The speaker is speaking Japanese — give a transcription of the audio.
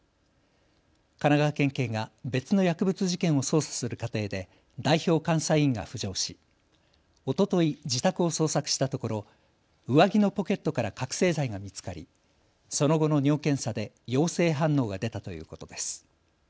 神奈川県警が別の薬物事件を捜査する過程で代表監査委員が浮上しおととい自宅を捜索したところ上着のポケットから覚醒剤が見つかりその後の尿検査で陽性反応が出たということです。